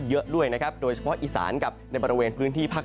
เยอะด้วยนะครับโดยเฉพาะอีสานกับในบริเวณพื้นที่ภาค